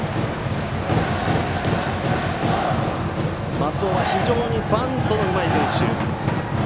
松尾は非常にバントのうまい選手。